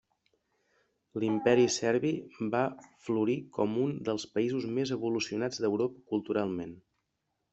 L'Imperi Serbi va florir com un dels països més evolucionats d'Europa culturalment.